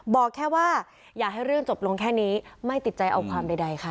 บอกแค่ว่าอย่าให้เรื่องจบลงแค่นี้ไม่ติดใจเอาความใดค่ะ